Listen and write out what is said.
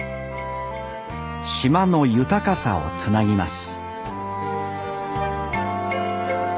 島の豊かさをつなぎます